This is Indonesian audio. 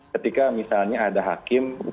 ketika misalnya ada hakim